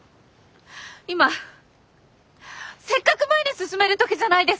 今せっかく前に進めるときじゃないですか。